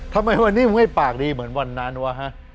ทำไมวันนี้มึงให้ปากดีเหมือนวันนั้นวะฮะ